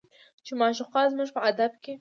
چې معشوقه زموږ په ادب کې